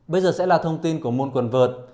bây giờ sẽ là thông tin của môn quần vợt